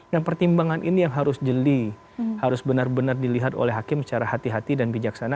dan pertimbangan ini yang harus jeli harus benar benar dilihat oleh hakim secara hati hati dan bijaksana